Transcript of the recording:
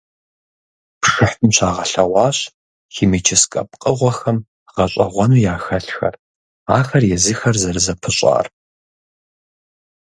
Пшыхьым щагъэлъэгъуащ химическэ пкъыгъуэхэм гъэщIэгъуэну яхэлъхэр, ахэр езыхэр зэрызэпыщIар.